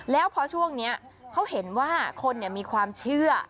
แล้วพอช่วงนี้เขาเห็นว่าคนมีความเชื่อ